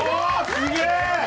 すげえ！